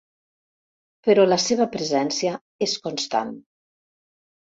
Però la seva presència és constant.